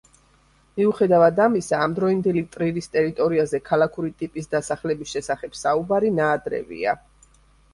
მიუხედავად ამისა, ამდროინდელი ტრირის ტერიტორიაზე ქალაქური ტიპის დასახლების შესახებ საუბარი ნაადრევია.